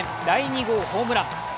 第２号ホームラン。